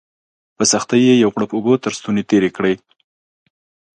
په سختۍ یې یو غوړپ اوبه تر ستوني تېري کړې